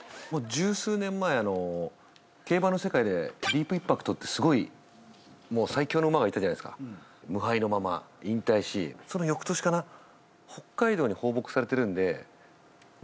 十数年前競馬の世界でディープインパクトってすごいもう最強の馬がいたじゃないですか無敗のまま引退しその翌年かな武さんと？